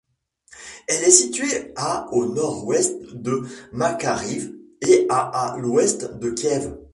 Elle est située à au nord-ouest de Makariv et à à l'ouest de Kiev.